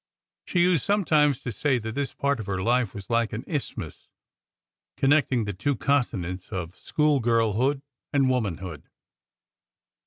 She used sometimes to say that this part of her life was like an isthmus, connecting the two continents of schoolgirlhood and womanhood.